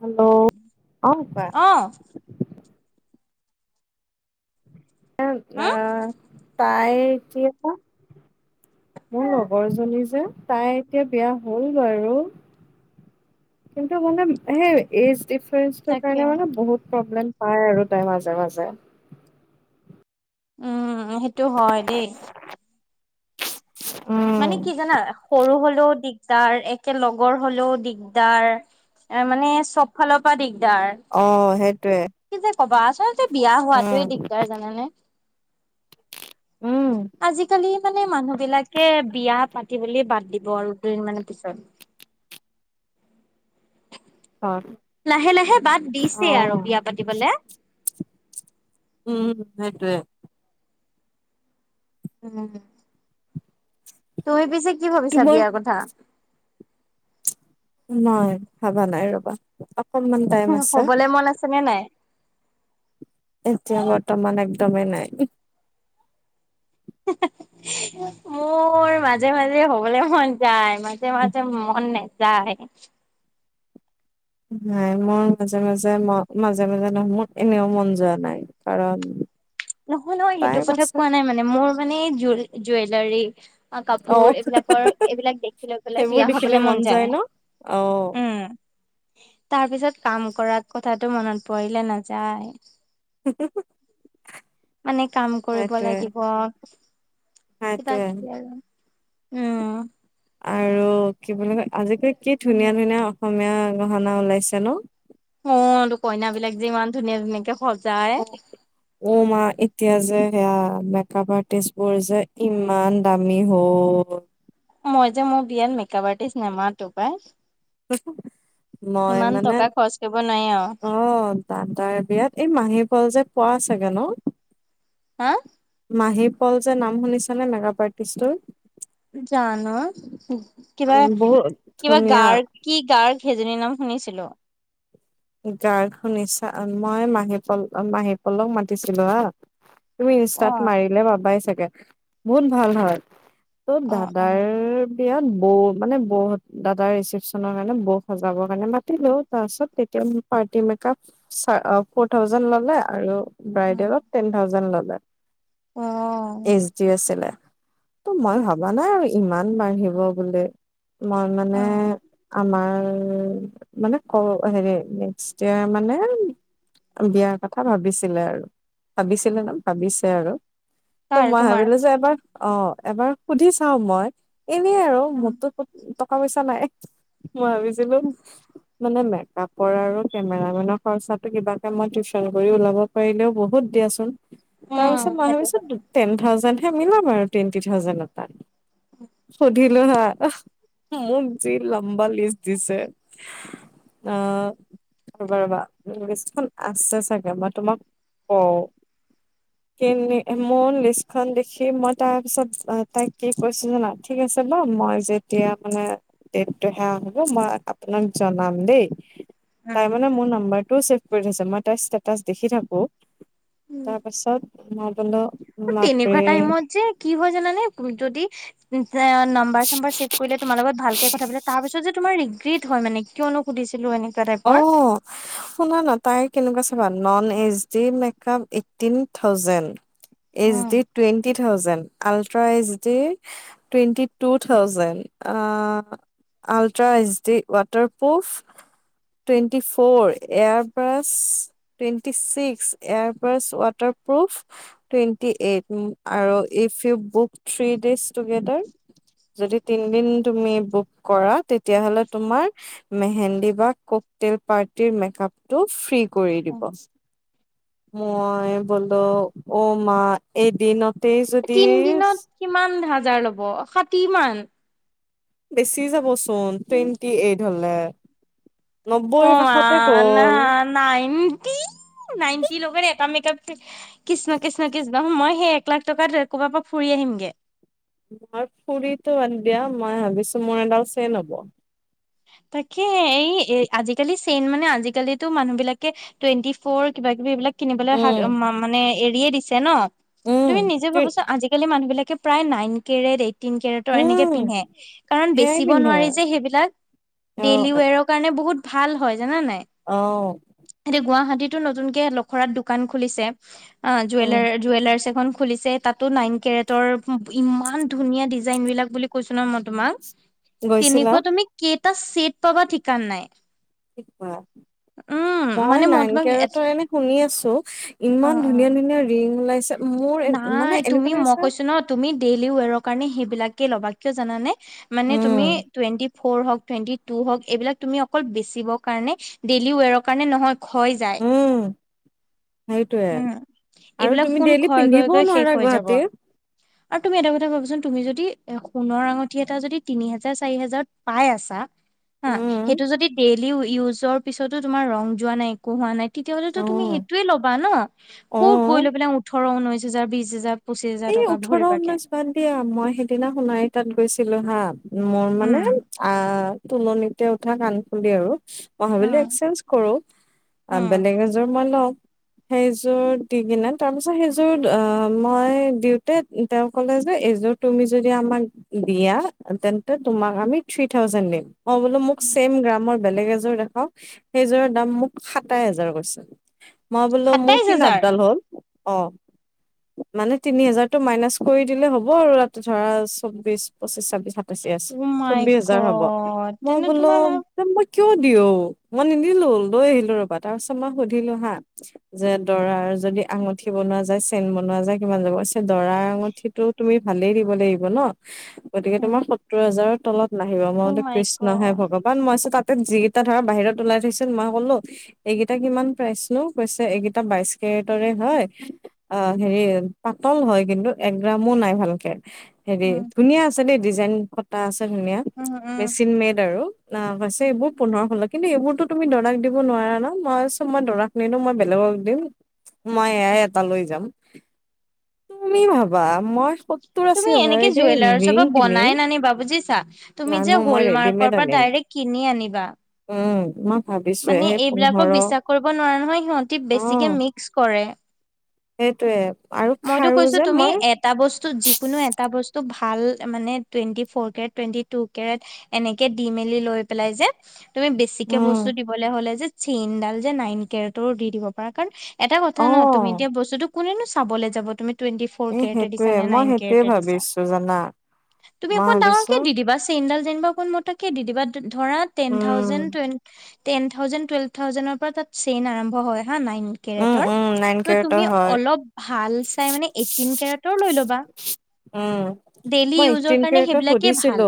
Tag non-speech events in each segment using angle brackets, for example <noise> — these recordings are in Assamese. হেল্লৌ' অ কোৱা। অ আ হম। তাই কি <inaudible> মোৰ লগৰ জনী যে তাই এতিয়া বিয়া হ'ল বাৰু কিন্তু মানে সেই এ এছ দিপ তাকে। কাৰণে মানে বহুত প্ৰব্লেম পায় আৰু তাই মাজে মাজে উম সেইটো হয় দেই মানে উম কি জানা সৰু হলেও দিগদাৰ একে লগৰ হলেও দিগদাৰ এ মানে চব ফালৰ পৰা দিগদাৰ অ সেইটোয়ে কি যে কবা আচলতে বিয়া হোৱাটোৱে দিগদাৰ জানানে। উম আজি কালি। মানে মানুহ বিলাকে বিয়া পাতিবলে বাদ দিব আৰু দুদিন মানৰ পিছত। হয়। লাহে লাহে বাদ দিছেই আৰু বিয়া পাতিবলে। উম সেইটোৱে। উম তুমি পিছে কি ভাবিছা তোমাৰ বিয়াৰ কথা নাই ভাবা নাই ৰবা অকনমান টাইম আছে। হ'বলে মন আছে নে নাই? এতিয়া বৰ্তমান একদমেই নাই। মোৰ মাজে মাজে হবলে মন যায়। মাজে মাজে মন নাযায়। নাই মোৰ মাজে মাজে ম মাজে মাজে নহয় মোৰ এনেও মন যোৱা নাই কাৰণ নহয় নহয় সেইটো টাইম কথা আছে কোৱা নাই মানে মোৰ মানে জ জুৱেলাৰী অ কাপোৰ এইবিলাকৰ এইবিলাক দেখি লৈ পেলাই সেইবোৰ বিয়া দেখিলে হবলে মন যায় ন অ উম। তাৰ পিছত কাম কৰ কথাটো মনত পৰিলে নাযায়। হু হু হ মানে কাম কৰিব লাগিব সেইটোৱে কিবা-কিবি আৰু। উম। আৰু কি বুলি কয় আজি কালি কি ধুনীয়া ধুনীয়া অসমীয়া গহনা ওলাইছে ন। অ ত কইনা বিলাক যে ইমান ধুনীয়া ধুনীয়াকে সজাই। অ অ মা এতিয়া যে সেয়া মেক আপ আৰ্টিষ্ট বোৰ যে ইমান দামী হ'ল। মই যে মোৰ বিয়াত মেকাপ আৰ্টিষ্ট নেমাতো পাই। হু হু মই ইমান মানে টকা খৰচ কৰিব নোৱাৰি আৰু অ। তা তাৰ বিয়াত এই মাহীপল যে পোৱা চাগে ন। হা। মাহীপল যে নাম শুনিছা নে মেকাপ আৰ্টিষ্টটোৰ। জানো কিবা বহুত কিবা ধুনীয়া গাৰ্গ কি গাৰ্গ সেইজনীৰ নাম শুনিছিলো। গাৰ্গ শুনিছা মই মাহী পল মাহীপলক মাতিছিলো হা। তুমি অ ইনষ্টাত মাৰিলে পাবাই চাগে বহুত ভাল হয়। ত' অ অ দাদাৰ। বিয়াত বৌ মানে বৌত দাদাৰ ৰিচেপচনৰ কাৰণে বৌক সজাবৰ কাৰণে মাতিলো তাৰ পিছত পাৰ্টি মেকাপ চা ফৰ থাউজেণ্ড ললে আৰু অ ব্ৰাইডেলত টেন থাউজেণ্ড ল'লে অ ইচ যি আছিলে ত মই ভবা নাই আৰু ইমান বাঢ়িব বুলি। মই মানে উম আমাৰ মানে ক হেৰি নেক্সট ইয়েৰ মানে বিয়াৰ কথা ভাবিছিলে আৰু ভাবিছিলে ন ভাবিছে আৰু। ত কাৰ মই তোমাৰ ভাবিলো যে এবাৰ অ এবাৰ সুধি চাও মই। এনে আৰু উম মোৰতো টকা পইচা নাই মই ভাবিছিলো মানে মেকাপ পৰা আৰু কেমেৰা মেনৰ খৰচাটো কিবা এটা মই টিউশচন কৰি ওলাব পাৰিলেও বহুত দিয়াচোন। উম তাৰপিছত মই সেইটো হয়। ভাবিছো টেন থাউজেণ্ডহে মিলাম আৰু টুৱেণ্টি থাউজেণ্ড এটা সুধিলো হা মোক যি লম্বা লিষ্ট দিছে অ। ৰবা ৰবা লিষ্টখন আছে চাগে মই তোমাক কও <inaudible> মোৰ লিষ্টখন দেখি মই তাৰপিছত তাই কি কৈছো জানা ঠিক আছে বা মই যে তিয়া মানে দেট ধৰা হ'ব মই আপোনাক জনাম দেই। তাই উম মানে মোৰ নাম্বাৰটোও ছেভ কৰি থৈছে মই তাইৰ ষ্টেটাছ দেখি থাকো তাৰপাছত মই কলো তেনেকোৱা টাইমত যে কি হয় জানানে যদি এ নম্বাৰ চম্বাৰ চছেভ কৰিলে তোমাৰ লগত ভালকে কথা পলে তাৰ পিছত যে তোমাৰ ৰিগ্ৰেট হয় মানে কিয়নো সুধিছিলো এনেকোৱা অ টাইপৰ শুনা না তাই কেনেকোৱা চাবা, non H D makeup eighteen thousand H um D twenty thousand ultra H D twenty two thousand আ ultra H D waterproof twenty four airbrush twenty six air brush waterproof twenty eight আৰু if you book three days together যদি তিনদিন তুমি বুক কৰা তেতিয়াহলে তোমাৰ মেহেন্দী বা ককটেল পাৰ্টিৰ মেকাপটো ফ্ৰী কৰি দিব। মই বোলো অ মা এদিনত তিনদিনত কিমান হাজাৰ ল'ব ষাঠি মান? বেছি যাব চোন উম টুৱেণ্টি এইট হলে। অ নব্বৈৰ মা কাষতে না গ'ল না নাইনটি নাইনটি লবনে এটা মেকআপ কৃষ্ণ কৃষ্ণ কৃষ্ণ মই সেই এক লাখ টকাত ক'ৰবাৰ পৰা ফুৰি আহিমগে। নাক ফুৰিতো বাদ দিয়া মই ভাবিছো মোৰ এডাল চেইন হ'ব। তাকেহে এই এ আজিকালি চেইন মানে আজিকালিতো মানুহ বিলাকে টুৱেণ্টি ফৰ' কিবা কিবি এইবিলাক কিনিবলৈ উম, মানে এৰিয়ে দিছে ন উম, তুমি নিজে ভাবছোন আজি আজিকালি মানুহ বিলাক প্ৰায় নাইন কেৰেট এইট তিন কেৰেটৰ এনেকে উম, পিন্ধে কাৰণ সেয়াই বেচিব পিন্ধে নোৱাৰি যে সেইবিলাক। অ', ডেইলি ৱেৰৰ কাৰণে বহুত ভাল হয় জানা নাই? অ এতিয়া গুৱাহাটীতো নতুনকে লখৰাত দোকান খুলিছে। অ উম, জুৱেলাৰ জুৱেলাৰছ এখন খুলিছে তাত টো নাইন কেৰেটৰ ইমান ধুনীয়া ডিজাইন বিলাক বুলি কৈছো ন মই তোমাক গৈছিলা? তেনেকুৱা তুমি কেইটা চেট পাবা ঠিকনা নাই। কি কোৱা উম মই মানে নাইন তোমাক কেৰেতৰ এনে শুনি আছো অ অ ইমান ধুনীয়া ধুনীয়া ৰিং ওলাইছে। মোৰ এ- মানে নাই তুমি এনেকুৱা মই লাগিছে কৈছো ন তুমি ডেইলি ৱেৰৰ কাৰণে সেইবিলাকে ল'বা, কিয় জানানে? মানে তুমি উম, টুৱেন্টি ফ'ৰ হওক টুৱেন্টি টু হওক এইবিলাক তুমি অকল বেচিবৰ কাৰণে ডেইলি ৱৰৰ কাৰণে নহয় খয় যায়। উম সেইটোৱে উম আৰু এইবিলাক তুমি সোণ ডেইলি ক্ষয় গৈ পিন্ধিবও গৈ শেষ নোৱাৰা হৈ যাব গুৱাহাটীত। <unintelligible> আৰু তুমি এটা কথা ভাবাচোন তুমি যদি সোণৰ আঙঠি এটা যদি তিনি হাজাৰ চাৰি হাজাৰত পাই আছা। হা উম, সেইটো যদি ডেইলি ইউজৰ পিছতো তোমাৰ ৰং যোৱা নাই একো হোৱা নাই। তেতিয়াহ'লেতো তুমি অ', সেইটোয়ে ল'বা ন। ক'ত গৈ অ'। লৈ পেলাই ওঠৰ ঊনৈশ হাজাৰ বিশ হাজাৰ- পঁচিশ হাজাৰ এই টকা ওঠৰ ভৰিবাগে। ঊনৈশ বাদ দিয়া মই সেইদিনা সোণাৰী তাত গৈছিলো হা মোৰ মানে উম আহ তুলনিতে উঠা কাণফুলি আৰু মই ভাবিলোঁ উম এক্সচেঞ্জ কৰো বেলেগ উম এযোৰ মই লম সেইযোৰ দি কিনে তাৰ পিছত সেইযোৰ অ মই দিওঁতে তেওঁ ক'লে যে এইযোৰ তুমি যদি আমাক দিয়া তেন্তে তোমাক আমি থ্ৰী থাউজণ্ড দিম মই বোলো মোক ছেম গ্ৰামৰ বেলেগ এযোৰ দেখাওক সেইযোৰৰ দাম মোক সাতাইছ হাজাৰ কৈছে। মই বোলো মোৰ সাতাইশ কি হাজাৰ লাভডাল হ'ল অ মানে- তিনি হাজাৰটো মাইনাচ কৰি দিলে হ'ব আৰু ৰা ধৰা চৌব্বিশ পঁচিশ চাব্বিছ - পছিশ উ মাই চৌবিশ হাজাৰ হব গড মই তেনে তোমাৰ বোলো- লাভ মই কিয় দিও মই নিদিলো লৈ আহিলো ৰবা তাৰপিছত মই সুধিলো হা- যে দৰাৰ যদি আঙঠি বনোৱা যায়, চেন বনোৱা যায়- কিমান যাব কৈছে দৰা আঙুঠিটো তুমি- ভালেই দিব লাগিব ন গতিকে তোমাৰ সত্তৰ হাজাৰৰ তলত- নাহিব মই উ বোলো মাই কৃষ্ণ হে গড ভগৱান মই তাতে যিকেইটা ধৰা বাহিৰত ওলাই থৈছিল মই কলো- এইকেইটা কিমান প্ৰাইছনো? কৈছে এইকেইটা বাইশ কেৰেটৰে হয়। অ হেৰি- পাতল হয় কিন্তু একগ্ৰামো নাই ভালকে হেৰি উম ধুনীয়া আছে দেই ডিজাইন। কটা আছে ধুনীয়া উম উম মেচিন মেড আৰু। নাবাছে উম। এইবোৰ পোন্ধৰ ষোল্ল কিন্তু এইবোৰতো তুমি দৰাক দিব নোৱাৰা ন। মই চ মই দৰাক- নিদো মই বেলেগক দিম মই এয়াই এটা লৈ যাম। তুমি ভাবা মই- সত্তৰ আশী তুমি এনেকে হাজাৰতে জুৱেলাৰছৰ ৰিং পৰা কিনিম বনাই নানিবা বুজিছা। তুমি নানো যে মই ৰেডিমেড হলমাৰ্কৰ পৰা আনিম ডাইৰেক্ট কিনি আনিবা। উম। ভাবিছোৱে মানে সেই পোন্ধৰ এইবিলাকক বিশ্বাস কৰিব নোৱাৰা নহয়, সিহঁতি অ বেছিকে মিক্স কৰে। সেইটোয়ে আৰু মইতো খাৰো কৈছো যে তুমি মই- এটা বস্তু যিকোনো এটা বস্তু ভাল মানে twenty four carat twenty two carat. এনেকে দি মেলি লৈ পেলাই যে। তুমি বেছিকে উম বস্তু দিবলৈ হলে যে চেইন ডাল যে নাইন কেটৰ দি দিব পাৰা। কাৰণ- এটা কথা অ ন তুমি দিয়া বস্তুটো কোনেনো চাবলৈ যাব। তুমি- টুৱেণ্টি ফৰ এই কেৰেটে দিছা সেইটোয়ে নে মই নাইন সেইটোয়ে কেৰেটে দিছা। ভাবিছো জানা তুমি মই অকণমান ভাবিছো ডাঙৰকে দি দিবা। চেইনডাল যেনিবা কোন মতাকে দি দিবা। ধৰা টেন উম thousand twenty- ten thousand, twelve থাউজেণ্ডৰ পৰা তাত চেইন আৰম্ভ হয় হা নাইন। উম কেৰেটৰ। উম নাইন ত কেৰেটৰ তুমি হয় অলপ ভাল চাই মানে- তিন কেৰেটৰ লৈ ল'বা। উম ডেইলি মই ইউজৰ কাৰণে সেইবিলাকে ভাল।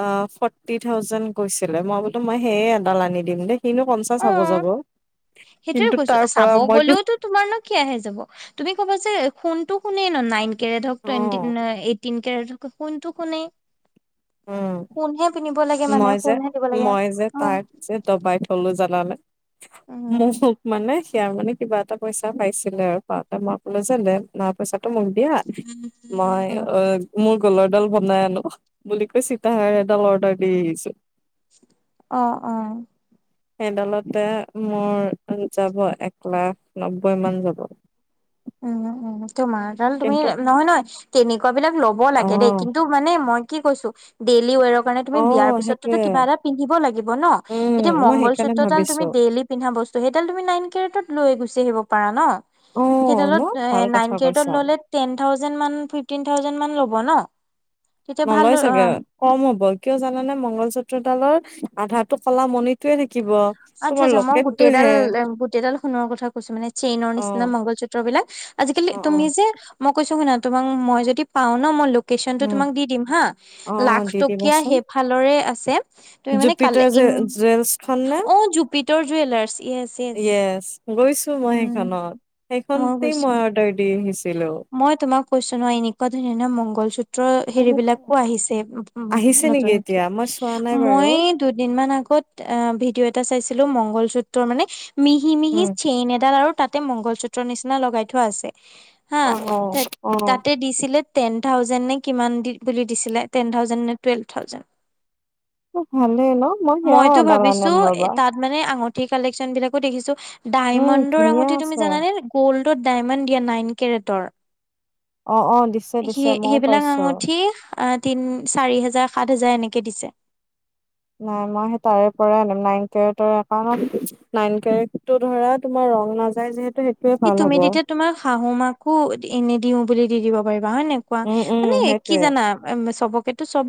আ ফটি থাউজেণ্ড কৈছিলে। মই বোলো মই সেই এডাল আনি দিম দেই। কিনো- অ চাব যাব। সেইটোয়ে কিন্তু কৈছো তাৰ পৰা চাব মই- গ'লেওতো তোমাৰ নো কি আহে যাব। তুমি ক'ব যে সোণটো সোণেই ন নাইন- কেৰেট হক, অ টুৱেণ্টি, এ এটটিন কেৰেট হক সোণটো সোণেই। উম সোণহে পিন্ধিব লাগে মানে মই যে সোণহে দিব লাগে মই যে উম। তাক যে দবাই থলো জানানে। মোক মানে- তেতিয়া মানে কিবা এটা পইচা পাইছিলে আৰু। পাওঁতে মই কলো যে মা পইচাটো মোক দিয়া। মই হয়। অঁ মোৰ গলৰ ডাল বনাই আনো। বুলি কয় চীদাহ এডাল অৰ্ডাৰ দি আহিছো। অঁ অঁ। সেইডালতে মোৰ যাব এক লাখ নব্বৈ মান যাব উম উম তোমাৰডাল তুমি কিন্তু নহয় নহয় তেনেকুৱা বিলাক লব লাগে দেই অ', কিন্তু মানে মই কি কৈছো ডেইলি ৱেৰক মানে তুমি বিয়াৰ অ', পিছতো সেইটোয়ে কিবা এটা পিন্ধিব লাগিব ন উম, এতিয়া মই মংগল সেইকাৰণে সুত্ৰ ডাল ভাবিছো তুমি ডেইলি পিন্ধা বস্তু সেইডাল তুমি নাইন কেটত লৈ গুচি আহিব পাৰা ন। অ', ন সেইডালত ভাল কথা নাইন কেৰেটত কৈছা ললে টেন থাউজেণ্ড মান, ফিফটিন থাউজেণ্ড মান ল'ব ন। তেতিয়া নলয় চাগে ভাল কম হ'ব। কিয় জানানে মংগল চুত্ৰডালৰ আধা কলা মণি। সেইটোৱে থাকিব। আচ্ছা তোমাৰ আচ্ছা মই গোটেইডাল লকেটটোহে গোটেইডাল সোণৰ কথা কৈছো মানে চেইনৰ অ', নিচিনা মংগল চূত্ৰ বিলাক। আজিকালি অ', তুমি অ', যে মই কৈছোঁ শুনা তোমাক মই যদি পাওঁ ন মই- কেশচন টো উম, তোমাক দি দিম হা। অ', অ', লাখ দি টকীয়া দিবাচোন সেইফালৰে আছে। তুমি মানে কালে- এখন নে অ Jupiter jewellers yes yes yes গৈছো মই উম সেইখনত ময়ো সেইখনতেই গৈছো মই অৰ্ডাৰ দি আহিছিলোঁ। মই তোমাক কৈছো ন এনেকুৱা ধুনীয়া ধুনীয়া মংগল চুত্ৰ। হেৰি অ', বিলাকো আহিছে উ আহিছে নেকি নতুনকে এতিয়া? মই চোৱা নাই বাৰু। মই দুদিন মান আগত অ ভিডিঅ' এটা চাইছিলো মংগল চুত্ৰৰ মানে মিহি মিহি উম। চেইন এডাল আৰু তাতে মংগল চূত্ৰ নিচিনা লগাই থোৱা আছে হা অ', অ', অ', তাতে দিছিলে টেন থাউজেন নে কিমান বুলি দিছিলে টেন থাউজেন নে টুৱেল্ভ থাউজেনড ভালেই ন মই সেয়াও মইতো এডাল ভাবিছো আনিম এ ৰবা তাত মানে আঙুঠি কালেকশ্যন বিলাকো দেখিছো উম, ডায়মণ্ডৰ ধুনীয়া আঙুঠি তুমি আছে। জানা নে গ'ল্ডত ডায়মণ্ড দিয়া নাইন কেৰেটৰ। অ', অ', দিছে দিছে সেই মইও সেইবিলাক পাইছো। আঙুঠিক আহ তিনি চাৰি হেজাৰ সাত হেজাৰ এনেকে দিছে। নাই মই সেই তাৰে পৰাই আনিম নাইন কেৰেটৰ নাইন কেৰেটো ধৰা তোমাৰ ৰং নাযায় যিহেতু সেইটোৱে ই ভাল তুমি হ'ব। তেতিয়া তোমাক শাহু মাকো এনেই দিওঁ বুলি দি দিব পাৰিবা হয় নে নাই কোৱা উম, উম, মানে কি সেইটোৱে। জানা উ চবকেতো চব